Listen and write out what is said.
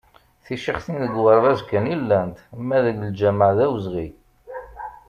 Ticixtin deg uɣerbaz kan i llant, ma deg lǧameɛ d awezɣi.